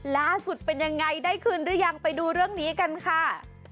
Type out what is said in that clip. ล่าสุดเป็นยังไงได้คืนหรือยังไปดูเรื่องนี้กันค่ะ